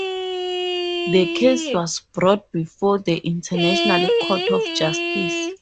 The case was brought before the International Court of Justice.